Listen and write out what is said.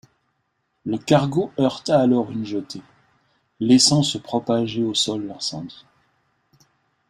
Le cargo heurta alors une jetée, laissant se propager au sol l'incendie.